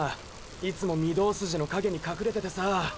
いつも御堂筋の陰に隠れててさ。